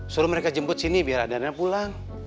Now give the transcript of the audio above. suruh mereka jemput sini biar adana pulang